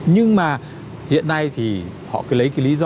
nhưng mà hiện nay thì họ cứ lấy cái lý do